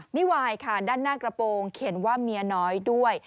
ไม่ไหวค่ะด้านหน้ากระโปรงเขียนว่าเมียน้อยด้วย